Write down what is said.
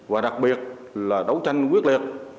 và đặc biệt là đấu tranh quyết liệt